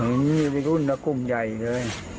เห็นมีรุ่นกลุ่มใหญ่เลย